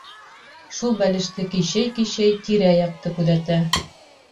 Шул бәлеште көйшәй-көйшәй тирә-яҡты күҙәтә.